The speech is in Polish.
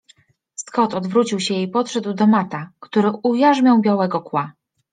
Scott odwrócił się i podszedł do Matta, który ujarzmiał Białego Kła.